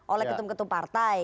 oleh ketum ketum partai